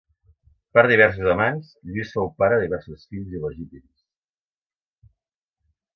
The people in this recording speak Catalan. Per diversos amants, Lluís fou pare de diversos fills il·legítims.